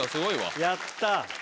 やった！